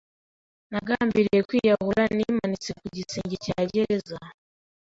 nagambiriye kwiyahura nimanitse ku gisenge cya gereza